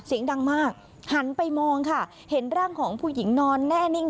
เสียงดังมากหันไปมองค่ะเห็นร่างของผู้หญิงนอนแน่นิ่ง